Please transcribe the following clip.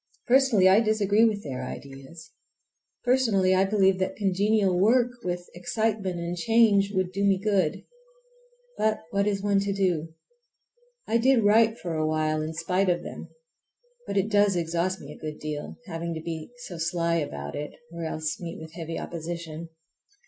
Personally, I disagree with their ideas. Personally, I believe that congenial work, with excitement and change, would do me good. But what is one to do? I did write for a while in spite of them; but it does exhaust me a good deal—having to be so sly about it, or else meet with heavy opposition.